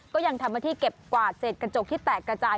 ก็ยังทำหน้าที่เก็บกวาดเศษกระจกที่แตกกระจาย